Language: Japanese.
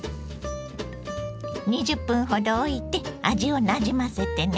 ２０分ほどおいて味をなじませてね。